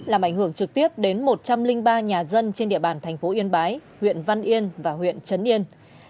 làm ảnh hưởng trực tiếp đến một trăm linh ba nhà dân trên địa bàn thành phố yên bái huyện văn yên và huyện trấn yên